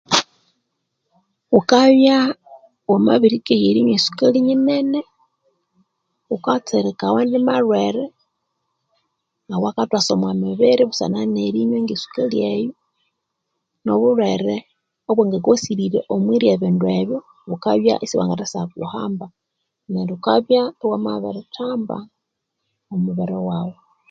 Wukabya wamabirikehya erinywa esukali nene wukatsirika awandi malhwere awakathwasa omwa mibiri busana nerinywa nge sukali eyo nobulhwere obwanga kwasirire omwirya ebindu ebyo wukabya isibwangathasya kuhamba neryo wukabya iwamabirithamba omubiri wawu.